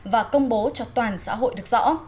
và công bố cho toàn xã hội được rõ